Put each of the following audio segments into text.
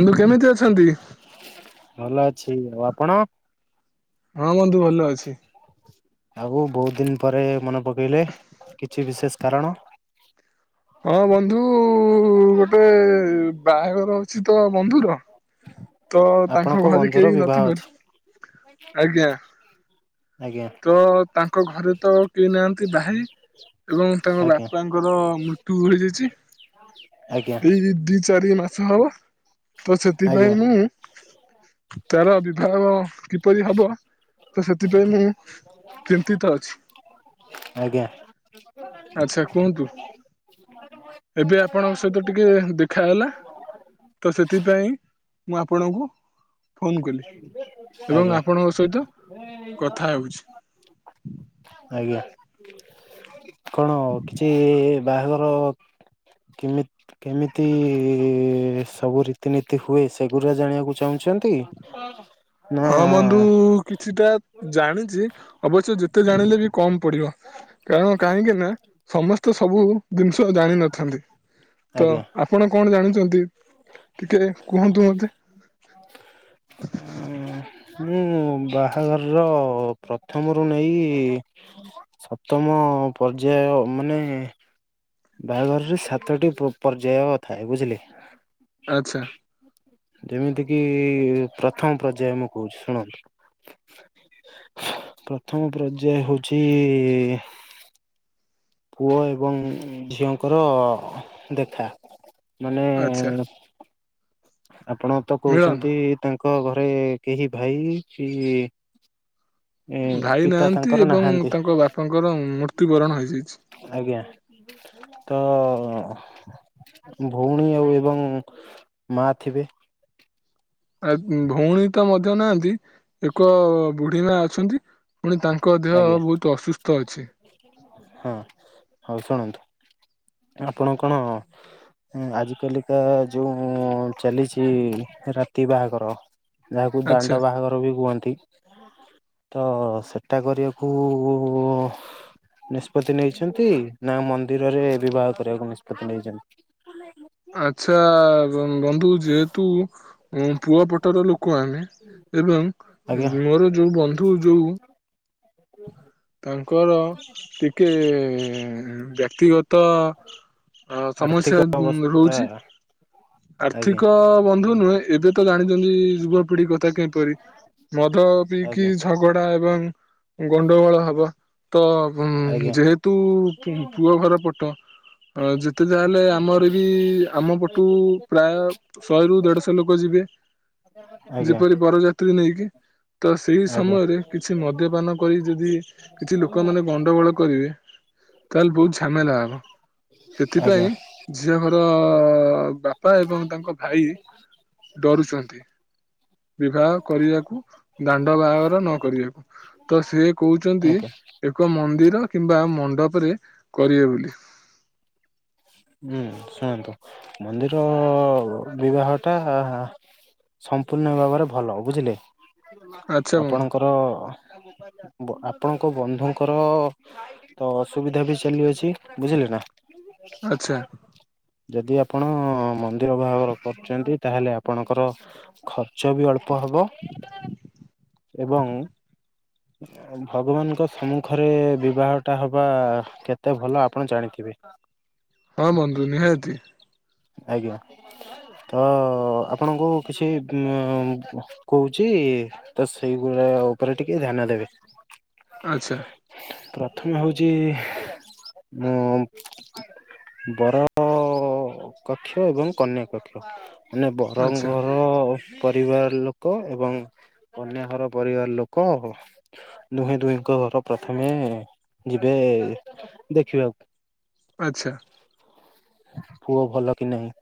କିନ୍ତୁ କେମିତି ଅଛନ୍ତି? ଭଲ ଅଛି ଆଉ ଆପଣ। ର? ହଁ ବନ୍ଧୁ ଭଲ ଅଛି। ଆଉ ବହୁତ ଦିନ ପରେ ମନେ ପକେଇଲେ କିଛି ବିଶେଷ କାରଣ? ହଁ ବନ୍ଧୁ ଗୋଟେ ବାହାଘର ଅଛି ତ ବନ୍ଧୁର ତ ତାଙ୍କ ଆପଣଙ୍କ ଘରେ ବନ୍ଧୁ ର କେହି ବିବାହ ନଥିବାରୁ ଅଛି ଆଜ୍ଞା ଆଜ୍ଞା। ତ ତାଙ୍କ ଘରେ ତ କେହି ନାହାନ୍ତି ଭାଇ ଏବଂ ତାଙ୍କ ଆଜ୍ଞା ବାପାଙ୍କର ମୃତ୍ୟୁ ହେଇଯାଇଛି ଆଜ୍ଞା। ଏଇ ଦି ଚାରି ମାସ ହବ ତ ଆଜ୍ଞା ସେଥିପାଇଁ କି ତାର ବିବାହ କିପରି ହବ। ତ ସେଥିପାଇଁ ମୁଁ ଚିନ୍ତିତ ଅଛି ଆଜ୍ଞା ଆଚ୍ଛା କୁହନ୍ତୁ [inaudible] [inaudible] ଏବେ ଆପଣଙ୍କ ସହିତ ଟିକେ ଦେଖା ହେଲା ତ ସେଥିପାଇଁ ମୁଁ ଆପଣଙ୍କୁ ଫୋନ୍ କଲି ଏବଂ ଆଜ୍ଞା ଆପଣଙ୍କ ସହିତ କଥା ହେଉଛି ଆଜ୍ଞା କଣ କିଛି ବାହାଘର କେମି କେମିତି ସବୁ ରୀତିନୀତି ହୁଏ ସେଗୁରା ଜାଣିବାକୁ ଚାହୁଁଛନ୍ତି ହଁ। ହଁ ବନ୍ଧୁ କିଛିଟା ଜାଣିଛି ଅବଶ୍ୟ ଯେତେ ଜାଣିଲେ ବି କମ ପଡିବ। କାରଣ କାହିଁକି ନା [inaudible] ସମସ୍ତେ ସବୁ ଜିନିଷ ଜାଣିନଥାନ୍ତି। ତ ଆଜ୍ଞା ଆପଣ କଣ ଜାଣିଚନ୍ତି ଟିକେ କୁହନ୍ତୁ ମତେ। ଆ। ହୁଁ ମୁଁ ବାହାଘରର ପ୍ରଥମରୁ ନେଇ ସପ୍ତମ ପର୍ଯ୍ୟାୟ ମାନେ ବାହାଘରରେ ସାତଟି ପ ପର୍ଯ୍ୟାୟ ଥାଏ ବୁଝିଲେ। ଆଚ୍ଛା। ଯେମିତି କିି ପ୍ରଥମ ପର୍ଯ୍ୟାୟ ମୁଁ କହୁଛି ଶୁଣନ୍ତୁ। ପ୍ରଥମ ପ୍ରର୍ଯ୍ୟାୟ ହଉଚି ପୁଅ ଏବଂ ଝିଅଙ୍କର ଦେଖା ମାନେ ଆଚ୍ଛା ଆପଣ ତ ମିଳନ କହୁଛନ୍ତି ତାଙ୍କ ଘରେ କେହି ଭାଇ କି ଏ ଭାଇ ପିତା ନାହାନ୍ତି ତାଙ୍କର ଏବଂ ନାହାନ୍ତି ତାଙ୍କ ବାପାଙ୍କର ମୃତ୍ୟୁବରଣ ହେଇଯାଇଛି। ଆଜ୍ଞା ତ ଭଉଣୀ ଆଉ ଏବଂ ମା ଥିବେ। ଆ ଭଉଣୀ ତ ମଧ୍ୟ ନାହାନ୍ତି ଏକ ବୁଢୀ ମା ଅଛନ୍ତି। ପୁଣି ତାଙ୍କ ଦେହ ଆଜ୍ଞା ବହୁତ ଅସୁସ୍ଥ ଅଛି। ହଁ ହଉ ଶୁଣନ୍ତୁ ଆପଣ କଣ ହୁଁ ଆଜି କାଲିକା ଯୋଉ ଚାଲିଚି ରାତି ବାହାଘର। ଯାହାକୁ ଆଚ୍ଛା ଦାଣ୍ଡ ବାହାଘର ବି କୁହନ୍ତି ତ ସେ ହେଟା କରିବାକୁ ନିଷ୍ପତି ନେଇଛନ୍ତି ନା ମନ୍ଦିରରେ ବିବାହ କରିବାକୁ ନିଷ୍ପତ୍ତି ନେଇଛନ୍ତି। ଆଚ୍ଛା ବନ୍ଧୁ ଯେହେତୁ ଉଁ ପୁଅ ପଟର ଲୋକ ଆମେ। ଏବଂ ଆଜ୍ଞା ମୋର ଯୋଉ ବନ୍ଧୁ ଯୋଉ ତାଙ୍କର ଟିକେ ବ୍ୟାକ୍ତିଗ ତ ଅ ଆର୍ଥିକ ସମସ୍ୟା ଅବସ୍ଥା ରହୁଛି। ଆଜ୍ଞା ଆର୍ଥିକ ବନ୍ଧୁ ନୁହେଁ ଏବେ ତ ଜାଣିଚନ୍ତି ଯୁବପିଢି କଥା କିପରି ମଦ ପିଇକି ଆଜ୍ଞା ଝ ଗଡା ଏବଂ ଗଣ୍ଡଗୋଳ ହବ ତ ଉଁ ଆଜ୍ଞା ଯେହେତୁ ପୁଅ ଘର ପଟ। ଅ ଯେତେ ଯାହେଲେ ଆମର ବି ଆମ ପଟୁ ପ୍ରାୟ ଶହେରୁୁ ଦେଢ ଶହ ଲୋକ ଯିବେ। ଯେ ଆଜ୍ଞା ପରି ବରଯାତ୍ରୀ ନେଇକି। ତ ସେଇ ଆଜ୍ଞା ସମୟରେ କିଛି ମଦ୍ୟପାନ କରି ଯଦି ଯିଏ ଲୋକମାନେ ଗଣ୍ଡଗୋଳ କରିବେ ତାହେଲେ ବହୁତ ଝାମେଲା ହବ। ଆଜ୍ଞା ସେଥିପାଇଁ ଝିଅହର ବାପା ଏବଂ ତାଙ୍କ ଭାଇ ଡରୁଛନ୍ତି। ବିବାହ କରିବାକୁ ଦାଣ୍ଡ ବାହାଘର ନ କରିବାକୁ। ତ ସେ କହୁଚନ୍ତି ଆଜ୍ଞା ଏକ ମନ୍ଦିର କିମ୍ବା ମଣ୍ଡପରେ କରିବେ ବୋଲି। ହୁଁ ଶୁଣନ୍ତୁ ମନ୍ଦିର ବିବାହ ଟା ସମ୍ପୂର୍ଣ୍ଣ ଭାବରେ ଭଲ ବୁଝିଲେ ଆଚ୍ଛା ବନ୍ଧୁ ଆପଣଙ୍କର ବ ଆପଣଙ୍କ ବନ୍ଧୁଙ୍କର ତ ଅସୁବିଧା ବି ଚାଲି ଅଛି ବୁଝିଲେ ନା। ଆଚ୍ଛା। ଯଦି ଆପଣ ମନ୍ଦିର ବାହାଘର କରୁଛନ୍ତି ତାହେଲେ ଆପଣଙ୍କର ଖର୍ଚ୍ଚ ବି ଅଳ୍ପ ହବ ଏବଂ ଭଗବାନଙ୍କ ସମ୍ମୁଖରେ ବିବାହଟା ହବା କେତେ ଭଲ ଆପଣ ଜାଣିଥିବେ। ହଁ ବନ୍ଧୁ ନିହାତି। ଆଜ୍ଞା। ତ ଆପଣଙ୍କୁ କିଛି କହୁଚି ତ ସେଇଭଳିଆ ଉପରେ ଟିକେ ଧ୍ୟାନ ଦେବେ। ଆଚ୍ଛା। ପ୍ରଥମେ ହଉଚି ମୁଁ ବର ତ କକ୍ଷ ଏବଂ କନ୍ୟା କକ୍ଷ। ମାନେ ଆଚ୍ଛା ବହରଙ୍ଗ [unintelligible] [unintelligible] ପରିବାର ଲୋକ ଏବଂ କନ୍ୟା ଘର ପରିବାର ଲୋକ ଦୁହେଁ ଦୁହିଙ୍କ ର [unintelligible] ପ୍ରଥମେ ଯିବେ ଦେଖିବାକୁ। ଆଚ୍ଛା। ପୁଅ ଭଲ କି ନାହିଁ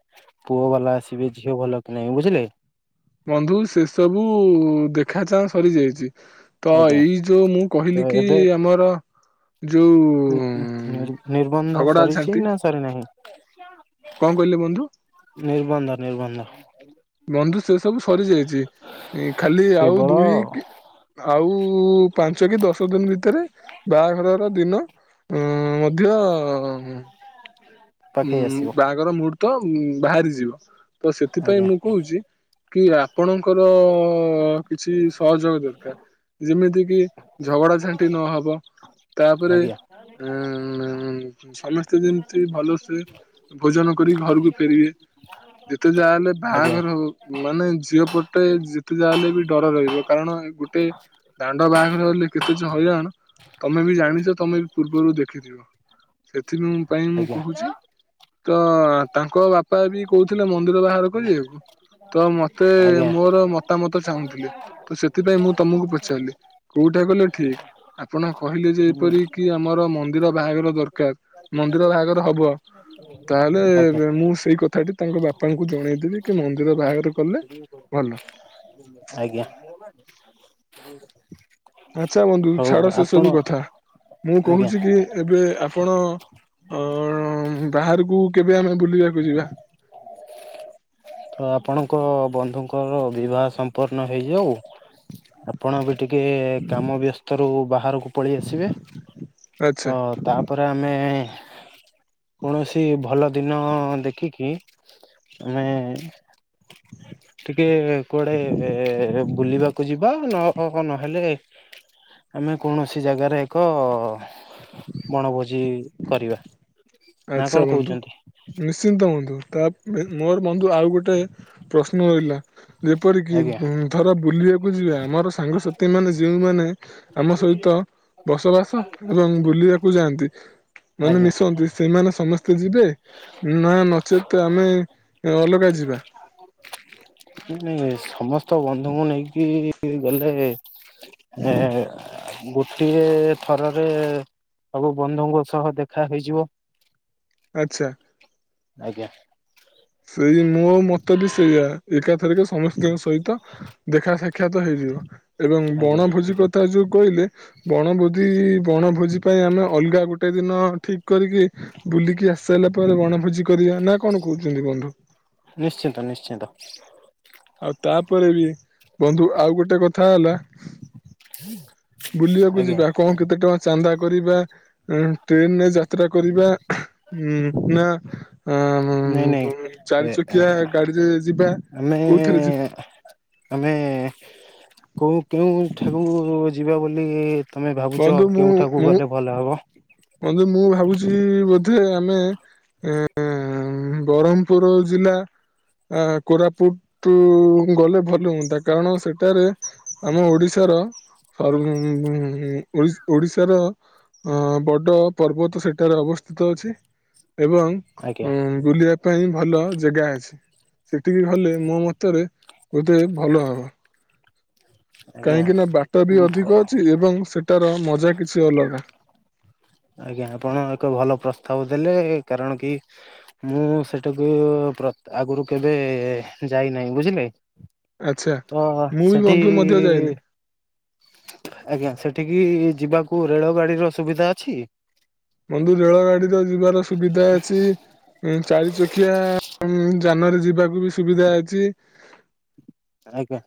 ପୁଅ ବାଲା ଆସିବେ ଝିଅ ଭଲ କି ନାହିଁ ବୁଝିଲେ। ବନ୍ଧୁ ସେ ସବୁ ଦେଖା ଚାଁ ସରି ଯାଇଛି। ତ ଆଜ୍ଞା ଏଇ ଯୋଉ ମୁଁ କହିଲି କି ଆମର ଯୋଉ [unintelligible] ନି ନିର୍ବନ୍ଧ ଝଗଡା ସରିଛି ଝାଣ୍ଟି ନା ସରିନାହିଁ? କଣ କହିଲେ ବନ୍ଧୁ? ନିର୍ବନ୍ଧ ନିର୍ବନ୍ଧ। ବନ୍ଧୁ ସେ ସବୁ ସରିଯାଇଛି ଖାଲି ଆଉ କେବଳ ଦୁଇ ଟି ଆଉ ପାଞ୍ଚ କି ଦଶ ଦିନ ଭିତରେ ବାହାଘରର ଦିନ ମ ମଧ୍ୟ ଉ ପାଖେଇ ଆସିବ ବାହାଘର ମୁର୍ ତ ବାହାରି ଯିବ ତ ସେଥିପାଇଁ ଆଜ୍ଞା ମୁଁ କହୁଛି କି ଆପଣଙ୍କର କିଛି ସହଯୋଗ ଦରକାର ଯେମିତି କିି ଝଗଡା ଝାଣ୍ଟି ନହବ। ତାପରେ ଆଜ୍ଞା ଉ ସମସ୍ତେ ଯେମିତି ଭଲସେ ଭୋଜନ କରି ଘରକୁ ଫେରିବେ। ଯେତେ ଯାହା ହେଲେ ଆଜ୍ଞା ବାହାଘର ମାନେ ଝିଅ ପଟେ ଯେତେ ଯାହା ହେଲେ ବି ଡର ରହିବ କାରଣ ଏଇ ଗୋଟେ ଦାଣ୍ଡ ବାହାଘର ହେଲେ କେତେ ଯେ ହଇରାଣ ତମେ ବି ଜାଣିଛ ତମେ ବି ପୂର୍ବରୁ ଦେଖିଥିବ। ସେଥିପାଇଁ ମୁଁ ଆଜ୍ଞା କହୁଛି ତ ତାଙ୍କ ବାପା ବି କହୁଥିଲେ ମନ୍ଦିର ବାହାଘର କରିବାକୁ ତ ମତେ ଆଜ୍ଞା ମୋର ମ ମତା ମତ ଚାହୁଁଥିଲେ ତ ସେଥିପାଇଁ ମୁଁ ତମକୁ ପଚାରିଲି କୋଉଟା କଲେ ଠିକ୍? ଆପଣ କହିଲେ ଯେ ଏପରି କି ଆମର ମନ୍ଦିର ବାହାଘର ଦରକାର ମନ୍ଦିର ବାହାଘର ହବ ତାହେଲେ ଆଜ୍ଞା ମୁଁ ସେଇ କଥାଟି ତାଙ୍କ ବାପାଙ୍କୁ ଜଣେଇବି କି ମନ୍ଦିର ବାହାଘର କଲେ ଭଲ। ଆଜ୍ଞା। [inaudible] [inaudible] ଆଚ୍ଛା ବନ୍ଧୁ ହଉ ଛାଡ ସେ ଆପଣ ସବୁ କଥା ମୁଁ ଆଜ୍ଞା କହୁଛି କି ଏବେ ଆପଣ ଅ ବାହାରକୁ କେବେ ଆମେ ବୁଲିବାକୁ ଯିବା? ତ ଆପଣଙ୍କ ବନ୍ଧୁଙ୍କର ବିବାହ ସମ୍ପନ୍ନ ହେଇଯାଉ ଆପଣ ବି ଟିକେ କାମ ବ୍ୟସ୍ତ ରୁ ବାହାରକୁ ପଳେଇ ଆସିବେ। [inaudible] ତ ତାପରେ ଆମେ କୌଣସି ଭଲ ଦିନ ଦେଖିକି ଆମେ ଟିକେ କୁଆଡେ ବୁଲିବାକୁ ଯିବା ନ ନହେଲେ ଆମେ କୌଣସି ଜାଗାରେ ଏକ ବଣଭୋଜି କରିବା। ନା ଆଛା କଣ ବନ୍ଧୁ କହୁଛନ୍ତି? [inaudible] ନିଶ୍ଚିନ୍ତ ବଧୁ ତା ମୋର ବନ୍ଧୁ ଆଉ ଗୋଟେ ପ୍ରଶ୍ନ ରହିଲା? ଯେପରିକି ଆଜ୍ଞା ବ ଧର ବୁଲିବାକୁ ଯିବା ଆମର ସାଙ୍ଗସଥି ମାନେ ଯେଉଁମାନେ ଆମ ସହିତ ବସବାସ ଏବଂ ବୁଲିବାକୁ ଯାଆନ୍ତି। ମାନେ [inaudible] ମିଶନ୍ତି ସେମାନେ ସମସ୍ତେ ଯିବେ ନା ନଚେତ୍ ଆମେ ଅଲଗା ଯିବା? ନାଇଁ ନାଇଁ ସମସ୍ତ ବନ୍ଧୁଙ୍କୁ ନେଇକି ଗଲେ ଏ ଗୋଟିଏ ଥରରେ ସବୁ ବନ୍ଧୁଙ୍କ ସହ ଦେଖା ହେଇଯିବ। ଆଚ୍ଛା। ଆଜ୍ଞା। ସେଇ ମୋ ମତ ବି ସେଇୟା ଏକାଥରକେ ସମସ୍ତିଙ୍କ ସହିତ ଦେଖା ସାଖ ସାଖ୍ୟାତ ହେଇଯିବ ଏବଂ ଆଜ୍ଞା ବଣଭୋଜି ତା ଯୋଉ କହିଲେ ବଣଭୋଜି ବଣଭୋଜି ପାଇଁ ଆମେ ଅଲଗା ଗୋଟେ ଦିନ ଠିକ କରିକି ବୁଲିକି ଆସାରିଲା ପରେ ଗଣଭୋଜି କରିବା ନା କଣ କହୁଚୁ? ନିଶ୍ଚିନ୍ତ ନିଶ୍ଚିନ୍ତ। ଆଉ ତାପରେ ବି ବନ୍ଧୁ ଆଉ ଗୋଟେ କଥା ହେଲା। ବୁଲିବାକୁ ଆଜ୍ଞା ଯିବା କଣ କେତେ ଟଙ୍କା ଚାନ୍ଦା କରିବା? ଟ୍ରେନରେ ଯାତ୍ରା କରିବା ଉ ନା ନାଇଁ ନାଇଁ ହୁଁ ଚାରି ଏ ଚକିଆ ଗାଡିରେ ଯିବା। ଆମେ କୋଉଥିରେ ଯିବା ଆମେ କଉ କେଉଁଠାକୁ ଯିବା ବୋଲି ତମେ ଭାବୁଛ ବନ୍ଧୁ କେଉଁଠାକୁ ଗଲେ ଭଲ ହବ? ବନ୍ଦୁ ମୁଁ ଭାବୁଛି ବୋଧେ ଆମେ ଏ ବ୍ରମପୁର ଜିଲ୍ଲା ଆ କୋରାପୁଟୁ ଗଲେ ଭଲ ହୁଅନ୍ତା କାରଣ ସେଠାରେ ଆମ ଓଡିଶାର ରୁ ଓଡିଶି ଓଡ଼ିଶାର ଅ ବଡ ପର୍ବତ ସେଠାରେ ଅବସ୍ଥିତ ଅଛି। ଏବଂ ଆଜ୍ଞା। ବୁଲିବା ପାଇଁ ଭଲ ଜେଗା ଅଛି। ସେଠିକି ଗଲେ ମୋ ମତରେ ବୋଧେ ଭଲ ହବ। ଆଜ୍ଞା କାହିଁକିନା ବାଟ ବି ଭ ଅଧିକ ଅଛି ଏବଂ ସେଟାର ମଜା କିଛି ଅଲଗା। ଆଜ୍ଞା ଆପଣ ଏକ ଭଲ ପ୍ରସ୍ତାବ ଦେଲେ କାରଣ କି ମୁଁ ସେଠାକୁ ପ୍ର ଆଗରୁ କେବେ ଯାଇନାହିଁ ବୁଝିଲେ। ଆଚ୍ଛା ତ ମୁଁ ବି ସେଠି ବନ୍ଧୁ ମଧ୍ୟ ଯାଇନି ଆଜ୍ଞା ସେଠିକି ଯିବାକୁ ରେଳ ଗାଡିର ସୁବିଧା ଅଛି? ବନ୍ଧୁ ରେଳ ଗାଡିର ଯିବାର ସୁବିଧା ଅଛି। ଚାରି ଚକିଆ ଯାନରେ ଯିବାକୁ ବି ସୁବିଧା ଅଛି। ଆଜ୍ଞା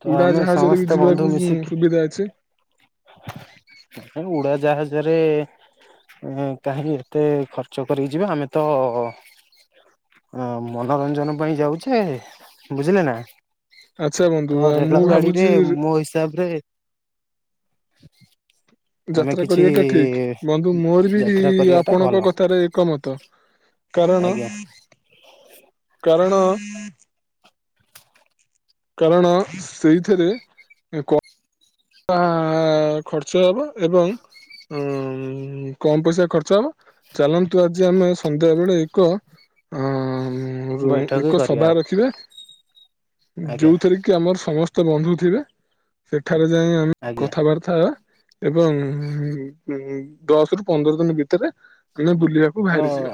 ତ ଉଡା ଆମେ ଜାହାଜରେ ବି ଯିବାକୁ ସୁବିଧା ଅଛି ହେ ଉଡାଜାହାଜରେ କାହିଁକି ଏତେ ଖର୍ଚ୍ଚ କରାଇ ଯିବା ଆମେ ତ ମନୋରଞ୍ଜନ ପାଇଁ ଯାଉଛେ ବୁଝିଲେ ନା ଆଚ୍ଛା ବନ୍ଧୁ ତ ରେଳ ମୁଁ ଗାଡିରେ ଭାବୁଛି ମୋ ହିସାବରେ ଆମେ ଯାତ୍ରା କିଛି କରିବାଟା ଠିକ୍ ବନ୍ଧୁ ମୋର ବି ଯାତ୍ରା କରିବା ଟା ଆପଣଙ୍କ ଭଲ କଥାରେ ଏକମତ କାରଣ ଆଜ୍ଞା କାରଣ କାରଣ ସେଇଥିରେ କ ଅବା ଖର୍ଚ୍ଚ ହବ ଏବଂ ଉଁ କମ୍ ପଇସା ଖର୍ଚ୍ଚ ହବ। ଚାଲନ୍ତୁ ଆଜି ଆମେ ସନ୍ଧ୍ୟା ବେଳେ ଏକୁଆ ବୈଠକ ଏକ କରିବା ସଭା ଆଉ ରଖିବା ଆଜ୍ଞା ଯୋଉଥିରେ କି ଆମର ସମସ୍ତ ବନ୍ଧୁ ଥିବେ ସେଠାରେ ଯାଇ ଆମେ ଆଜ୍ଞା କଥାବାର୍ତ୍ତା କଥା ହ ଏବଂ ଦଶ ରୁ ପନ୍ଦର ଦିନ ଭିତରେ ଆମେ ବୁଲିବାକୁ ତ ବାହାରିଯିବା।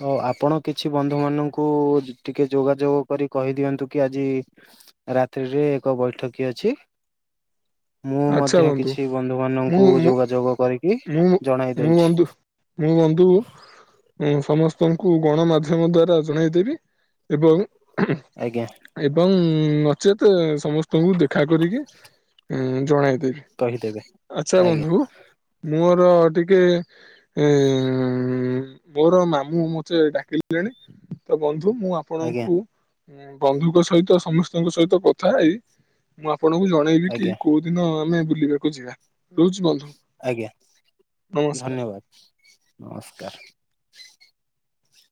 ତ ଆପଣ କିଛି ବନ୍ଧୁ ମାନଙ୍କୁ ଟିକେ ଯୋଗାଯୋଗ କରି କହିଦିଅନ୍ତୁ କି ଆଜି ରାତି ରେ ଯୋଉ ଏକ ବୈଠକି ଅଛି ମୁଁ ମଧ୍ୟ କିଛି ବନ୍ଧୁ ମୁଁ ମାନଙ୍କୁ ମୁଁ ଯୋଗାଯୋଗ କରିକି ମୁଁ ଜଣାଇ ମୁଁ ଦେଇଛି। ମୁଁ ବନ୍ଧୁ ମୁଁ ସମସ୍ତଙ୍କୁ ଗଣମାଧ୍ୟମ ଦ୍ଵାରା ଜଣାଇଦେବି ଏବଂ ଆଜ୍ଞା। ଏବଂ ନଚେତ୍ ସମସ୍ତଙ୍କୁ ଦେଖା କରିକି ଜଣାଇ କହିଦେବେ ଆଚ୍ଛା ଆଜ୍ଞା ବନ୍ଧୁ ମୋର ଟିକେ ଉଁ ମୋର ମାମୁଁ ମତେ ଡାକେଲେଣି ତ ବନ୍ଧୁ ମୁଁ ଆ ଆଜ୍ଞା ଆପଣଙ୍କୁ ବନ୍ଧୁଙ୍କ ସହିତ ସମସ୍ତଙ୍କ ସହିତ କଥା ହେଇ ମୁଁ ଆପଣଙ୍କୁ ମ ଏ ବିକି ଆଜ୍ଞା କୋଉ ଦିନ ଆମେ ବୁଲିବାକୁ ଯିବା? ରହୁଚି ବନ୍ଧୁ ଆଜ୍ଞା ନମସ୍କାର। ଧନ୍ୟବାଦ ନମସ୍କାର।